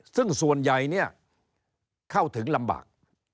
ซึ่งส่วนใหญ่เนี่ยเข้าถึงลำบาก